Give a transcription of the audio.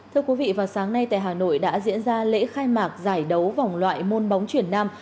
thưa quý vị vào sáng nay tại hà nội đã diễn ra lễ khai mạc giải đấu vòng loại môn bóng chuyển nam